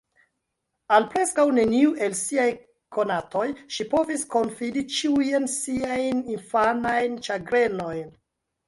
Al preskaŭ neniu el siaj konatoj ŝi povis konfidi ĉiujn siajn infanajn ĉagrenojn.